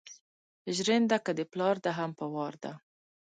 ژېرنده که ده پلار ده هم په وار ده